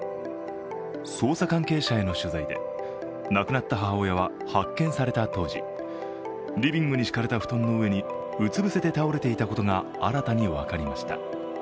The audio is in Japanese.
捜査関係者への取材で、亡くなった母親は発見された当時、リビングに敷かれた布団の上にうつ伏せで倒れていたことが新たに分かりました。